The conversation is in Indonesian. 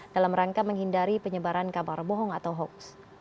dalam rangka menghindari penyebaran kabar bohong atau hoax